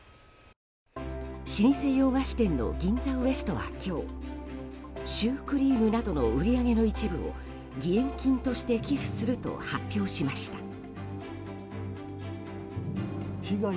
老舗洋菓子店の銀座ウエストは今日シュークリームなどの売り上げの一部を義援金として寄付すると発表しました。